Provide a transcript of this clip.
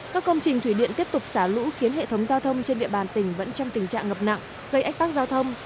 các công trình thủy điện tiếp tục xả lũ khiến hệ thống giao thông trên địa bàn tỉnh vẫn trong tình trạng ngập nặng gây ách tắc giao thông